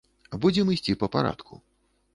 Будзем ісці па парадку.